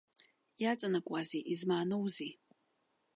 Иаҵанакуазеи, измааноузеи?